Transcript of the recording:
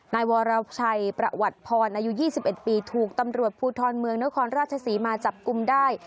นายวรชัยประวัติพรอายุ๒๑ปีถูกตำรวจภูทรเมืองนครราชศรีมาจับกลุ่มได้